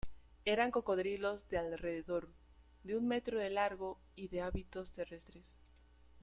Eran cocodrilos de alrededor de un metro de largo y de hábitos terrestres.